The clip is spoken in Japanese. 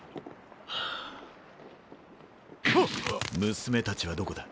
娘たちはどこだ？